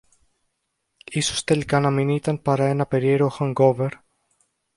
Ίσως τελικά να μην ήταν παρά ένα περίεργο hangover